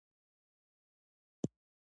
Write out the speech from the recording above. دا جملې په دقت سره ولولئ.